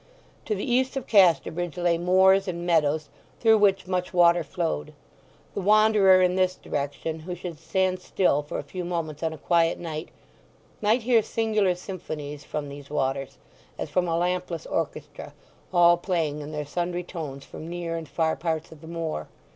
To the east of Casterbridge lay moors and meadows through which much water flowed. The wanderer in this direction who should stand still for a few moments on a quiet night, might hear singular symphonies from these waters, as from a lampless orchestra, all playing in their sundry tones from near and far parts of the moor.